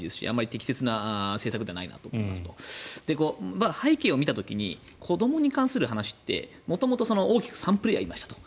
適切な政策じゃないなと思うんですが背景を見た時に子どもに関する話って元々大きく３プレーヤーいましたと。